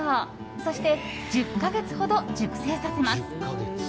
そして、１０か月ほど熟成させます。